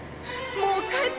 もう帰って！